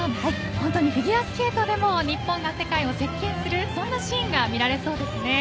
本当にフィギュアスケートでも日本が世界を席巻するそんなシーンが見られそうですね。